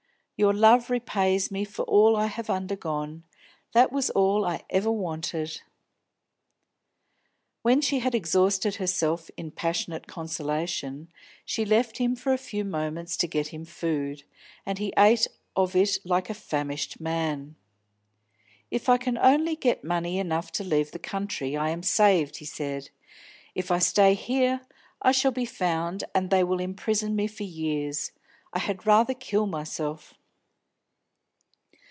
Your love repays me for all I have undergone; that was all I ever wanted." When she had exhausted herself in passionate consolation, she left him for a few moments to get him food, and he ate of it like a famished man. "If I can only get money enough to leave the country, I am saved," he said. "If I stay here, I shall be found, and they will imprison me for years. I had rather kill myself!"